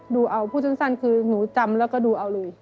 ดูเอาพูดสั้นคือหนูจำแล้วก็ดูเอาเลย